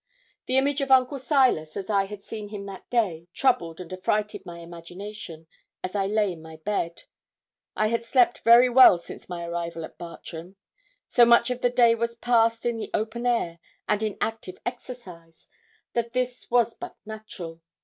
The image of Uncle Silas, as I had seen him that day, troubled and affrighted my imagination, as I lay in my bed; I had slept very well since my arrival at Bartram. So much of the day was passed in the open air, and in active exercise, that this was but natural.